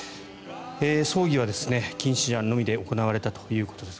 葬儀は近親者のみで行われたということです。